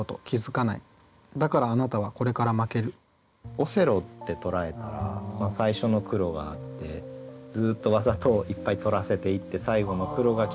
オセロって捉えたら最初の黒があってずっとわざといっぱい取らせていって最後の黒がきた時に。